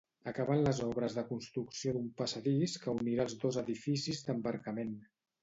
Acaben les obres de construcció d'un passadís que unirà els dos edificis d'embarcament.